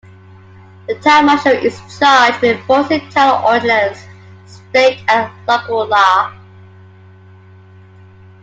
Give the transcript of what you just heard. The town marshal is charged with enforcing town ordinance, state and local law.